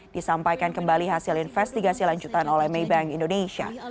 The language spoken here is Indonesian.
disampaikan kembali hasil investigasi lanjutan oleh maybank indonesia